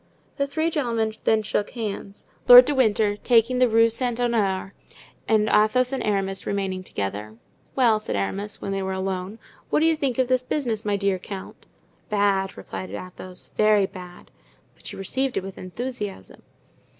The three gentlemen then shook hands, Lord de Winter taking the Rue Saint Honore, and Athos and Aramis remaining together. "Well," said Aramis, when they were alone, "what do you think of this business, my dear count?" "Bad," replied Athos, "very bad." "But you received it with enthusiasm."